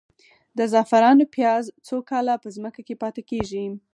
د زعفرانو پیاز څو کاله په ځمکه کې پاتې کیږي؟